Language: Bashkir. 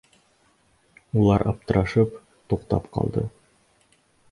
Улар аптырашып, туҡтап ҡалды.